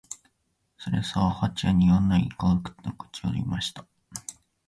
「それあ、葉ちゃん、似合わない」と、可愛くてたまらないような口調で言いました